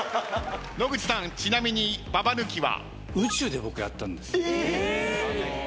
野口さんちなみにババ抜きは？